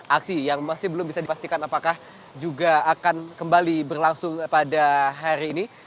aksi yang masih belum bisa dipastikan apakah juga akan kembali berlangsung pada hari ini